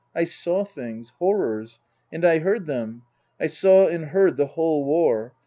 " I saw things horrors. And I heard them. I saw and heard the whole war.